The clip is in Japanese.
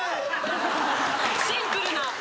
シンプルな。